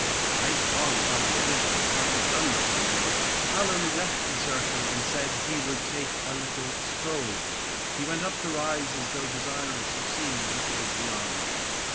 Later on while the others were partly done with their meal, Allan left the circle and said he would take a little stroll. He went up the rise, as though desirous of seeing what lay beyond.